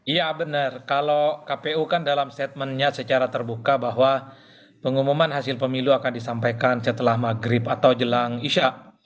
iya benar kalau kpu kan dalam statementnya secara terbuka bahwa pengumuman hasil pemilu akan disampaikan setelah maghrib atau jelang isya